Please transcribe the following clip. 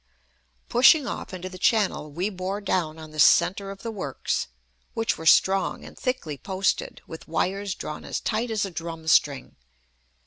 Pushing off into the channel we bore down on the centre of the works, which were strong and thickly posted, with wires drawn as tight as a drum string.